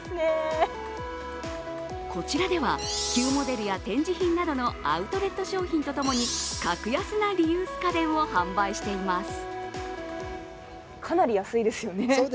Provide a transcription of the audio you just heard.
こちらでは旧モデルや展示品などのアウトレット商品と共に格安なリユース家電を販売しています。